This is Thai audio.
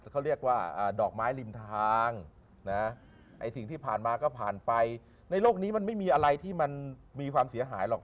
เขาเรียกว่าดอกไม้ริมทางนะไอ้สิ่งที่ผ่านมาก็ผ่านไปในโลกนี้มันไม่มีอะไรที่มันมีความเสียหายหรอก